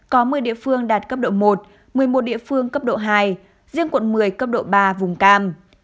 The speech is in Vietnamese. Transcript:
có một mươi địa phương đạt cấp độ một một mươi một địa phương cấp độ hai riêng quận một mươi cấp độ ba vùng cam